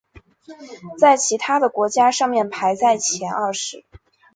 在其他的国家上面排在前二十。